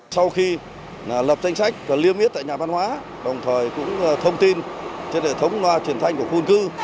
sau khi lập danh sách và liêm yết tại nhà văn hóa đồng thời cũng thông tin trên hệ thống loa truyền thanh của khuôn cư